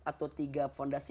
atau tiga fondasi